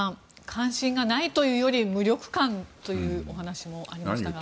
関心がないというより無力感というお話もありましたが。